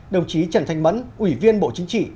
đồng chí trần thanh mẫn ủy viên bộ chính trị